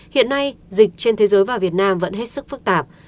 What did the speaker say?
hiện nay dịch trên thế giới và việt nam vẫn hết sức phức tạp